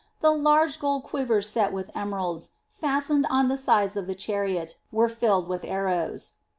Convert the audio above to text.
The large gold quivers set with emeralds, fastened on the sides of the chariot, were filled with arrows.